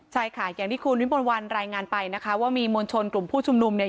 ใช่ค่ะอย่างที่คุณวิมวลวันรายงานไปนะคะว่ามีมวลชนกลุ่มผู้ชุมนุมเนี่ย